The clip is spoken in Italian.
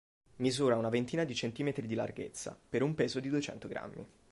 Misura una ventina di centimetri di lunghezza, per un peso di duecento grammi.